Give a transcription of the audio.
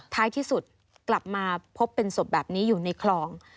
ท้ายที่สุดกลับมาพบเป็นศพแบบนี้อยู่ในคลอง